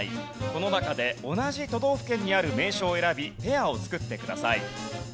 この中で同じ都道府県にある名所を選びペアを作ってください。